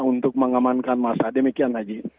untuk mengamankan masa demikian lagi